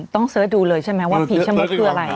เสิร์ชดูเลยใช่ไหมว่าผีชะมดคืออะไร